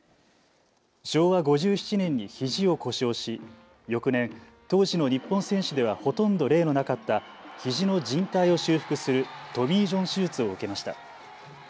昭和５７年にひじを故障し翌年、当時の日本選手ではほとんど例のなかったひじのじん帯を修復するトミー・ジョン手術を受けました。